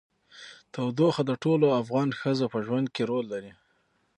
تودوخه د ټولو افغان ښځو په ژوند کې رول لري.